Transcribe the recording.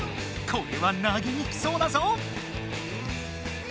これは投げにくそうだぞ！